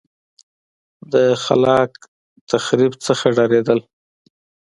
له خلاق تخریب څخه ډارېدل.